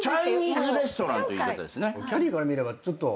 きゃりーから見ればちょっと。